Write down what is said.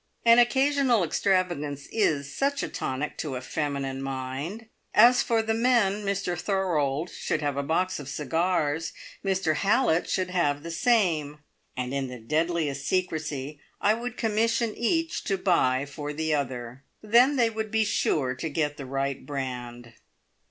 An occasional extravagance is such a tonic to a feminine mind! As for the men, Mr Thorold should have a box of cigars. Mr Hallett should have the same. And in the deadliest secrecy I would commission each to buy for the other. Then they would be sure to get the right brand.